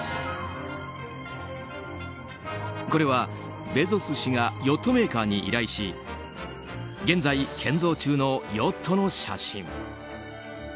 これは、ベゾス氏がヨットメーカーに依頼し現在、建造中のヨットの写真。